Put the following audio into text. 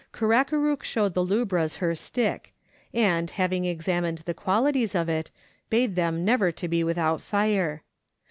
Karakarook showed the lubras her stick, and, having examined the qualities of it, bade them never to be without fire.